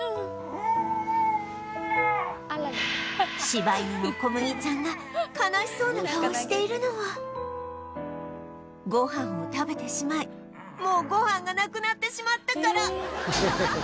柴犬のこむぎちゃんが悲しそうな顔をしているのはごはんを食べてしまいもうごはんがなくなってしまったから